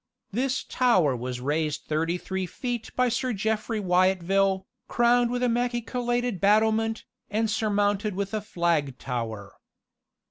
This tower was raised thirty three feet by Sir Jeffry Wyatville, crowned with a machicolated battlement, and surmounted with a flag tower.